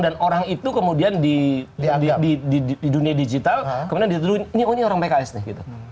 dan orang itu kemudian di dunia digital kemudian dituduh ini orang pks nih